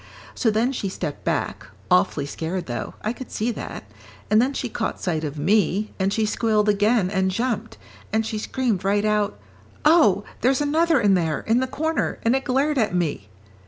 So then she stepped back, awfully scared though, I could see that, and then she caught sight of me, and she squealed again and jumped, and she screamed right out, 'Oh, there's another in there, in the corner, and it glared at me.'